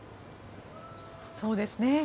そうですね。